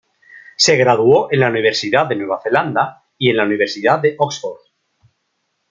Se graduó en la Universidad de Nueva Zelanda y en la Universidad de Oxford.